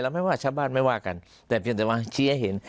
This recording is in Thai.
ไม่ว่าชาวบ้านไม่ว่ากันแต่เพียงแต่ว่าชี้ให้เห็น